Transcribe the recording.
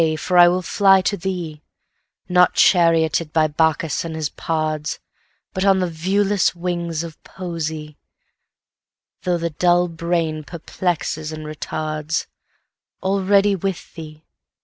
for I will fly to thee, Not charioted by Bacchus and his pards, But on the viewless wings of Poesy, Though the dull brain perplexes and retards:Already with thee!